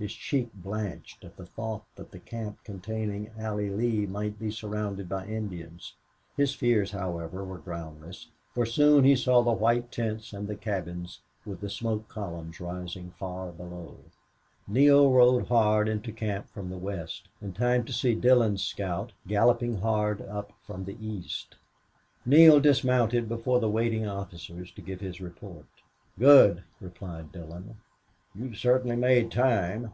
His cheek blanched at the thought that the camp containing Allie Lee might be surrounded by Indians. His fears, however, were groundless, for soon he saw the white tents and the cabins, with the smoke columns rising far below. Neale rode into camp from the west in time to see Dillon's scout galloping hard up from the east. Neale dismounted before the waiting officers to give his report. "Good!" replied Dillon. "You certainly made time.